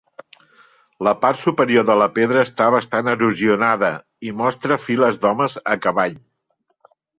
La part superior de la pedra està bastant erosionada i mostra files d'homes a cavall.